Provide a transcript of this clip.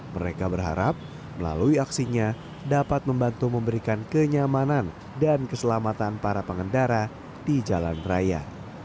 mereka berharap melalui aksinya dapat membantu memberikan kenyamanan dan keselamatan para pengendara di jalan raya